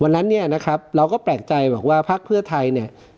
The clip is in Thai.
วันนั้นเนี่ยนะครับเราก็แปลกใจบอกว่าพักเพื่อไทยเนี่ย